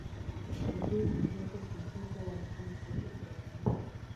Jabir na Jacob matata walifanya kazi idara moja